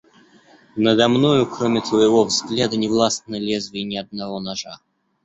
Надо мною, кроме твоего взгляда, не властно лезвие ни одного ножа.